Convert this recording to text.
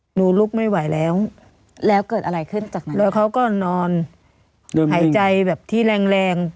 หนูลุกไม่ไหวแล้วแล้วเกิดอะไรขึ้นจากนั้นแล้วเขาก็นอนหายใจแบบที่แรงแรง